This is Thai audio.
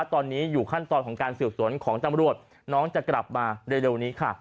ตอนนี้อยู่ขั้นตอนของการสืบสวนของตำรวจน้องจะกลับมาเร็วนี้ค่ะ